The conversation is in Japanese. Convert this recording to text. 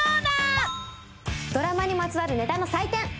ドラマにまつわるネタの祭典！